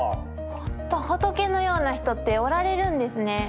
ほんと仏のような人っておられるんですね。